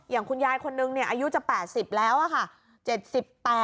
อย่างคุณยายคนนึงอายุจะ๘๐แล้วค่ะ